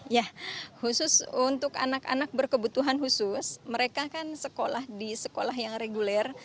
ya khusus untuk anak anak berkebutuhan khusus mereka kan sekolah di sekolah yang reguler